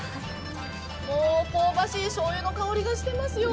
香ばしいしょうゆの香りがしてますよ。